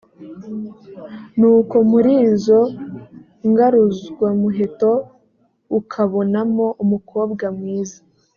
nuko muri izo ngaruzwamuheto ukabonamo umukobwa mwiza,